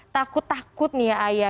takut takut nih ya ayah